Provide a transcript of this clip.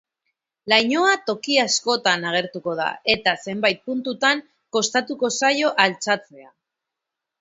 Lainoa toki askotan agertuko da, eta zenbait puntutan kostatuko zaio altxatzea.